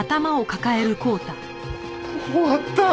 終わった。